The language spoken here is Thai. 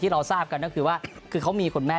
ที่เราทราบกันก็คือว่าเค้ามีคนแม่